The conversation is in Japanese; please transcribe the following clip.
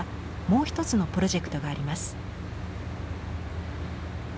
もう一つのプロジェクトがあります。